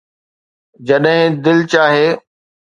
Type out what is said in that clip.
جڏهن دل چاهي